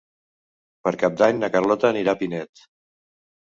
Per Cap d'Any na Carlota anirà a Pinet.